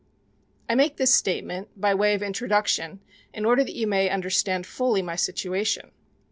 I make this statement by way of introduction in order that you may understand fully my situation.